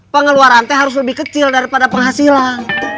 pengeluaran teh harus lebih kecil daripada penghasilan